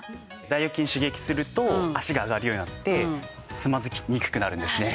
大腰筋を刺激すると脚が上がるようになってつまずきにくくなるんですね。